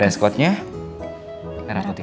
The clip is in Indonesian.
reskotnya merah putih kayak gini